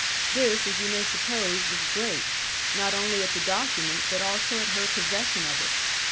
This, as you may suppose was great; not only at the document, but also at her possession of it.